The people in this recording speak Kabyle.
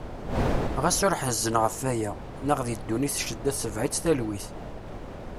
Ɣas ur ḥezzen ɣef aya. Neɣ di ddunit ccedda tebeε-itt talwit.